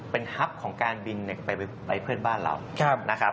เป็นฮับของการบินไปเพื่อนบ้านเรานะครับ